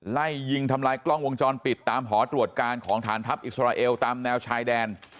ไล่ยิงทำลายกล้องวงจรปิดตามหอตรวจการของฐานทัพอิสราเอลตามแนวชายแดน